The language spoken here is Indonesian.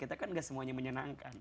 kita kan gak semuanya menyenangkan